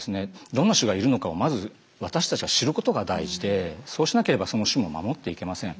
どんな種がいるのかをまず私たちが知ることが大事でそうしなければその種も守っていけません。